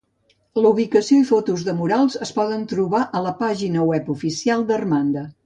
La ubicació i fotos de murals es poden trobar a la pàgina web oficial d'Armada.